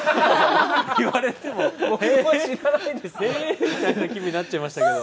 言われても、えみたいな気になっちゃいますけど。